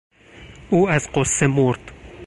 او از غصه مرد.